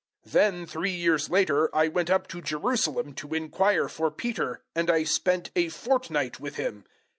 001:018 Then, three years later, I went up to Jerusalem to inquire for Peter, and I spent a fortnight with him.